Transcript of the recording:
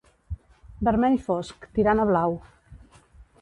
Vermell fosc, tirant a blau.